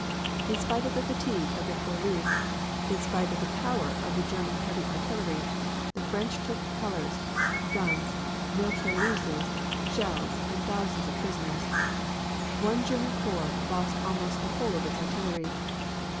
In spite of the fatigue of the poilus, in spite of the power of the German heavy artillery, the French took colors, guns, mitrailleuses, shells, and thousands of prisoners. One German corps lost almost the whole of its artillery.